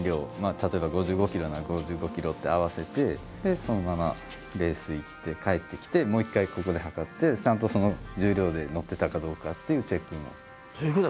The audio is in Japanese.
例えば５５ｋｇなら５５ｋｇって合わせてそのままレース行って帰ってきてもう一回ここで量ってちゃんとその重量で乗ってたかどうかっていうチェック。